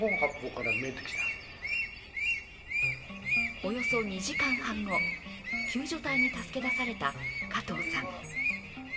およそ２時間半後、救助隊に助け出された加藤さん。